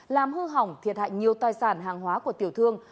làm hư hỏng thiệt hại nhiều tài sản hàng hóa của tiểu thương